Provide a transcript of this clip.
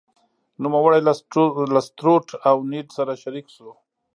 نوموړی له ستروټ او نیډ سره شریک شو.